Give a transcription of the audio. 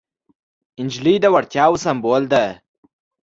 نجلۍ د وړتیاوو سمبول ده.